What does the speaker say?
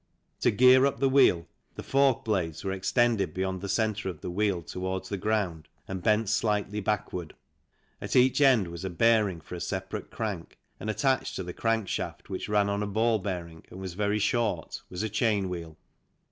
To gear up the wheel the fork blades were extended beyond the centre of the wheel, towards the ground, and bent EARLY HISTORY AND ORIGIN OF THE BICYCLE 11 slightly backward. At each end was a bearing for a separate crank, and attached to the crank shaft, which ran on a ball bearing and was very short, was a chain wheel.